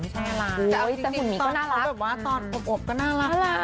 ไม่ใช่อะไรเป็นแฟนก็ห่วง